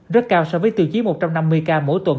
rất cao so với tiêu chí một trăm năm mươi ca mỗi tuần